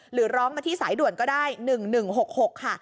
หรือร้องมาที่สายด่วนก็ได้๑๑๖๖ค่ะ